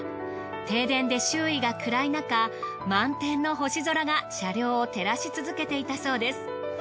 停電で周囲が暗いなか満天の星空が車両を照らし続けていたそうです。